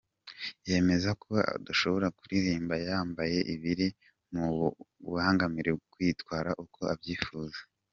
Yemeza ko adashobora kuririmba yambaye ibiri bumubangamire kwitwara uko abyifuza.